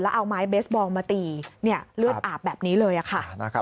เอาไม้เบสบอลมาตีเลือดอาบแบบนี้เลยค่ะ